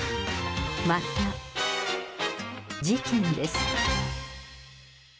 また事件です。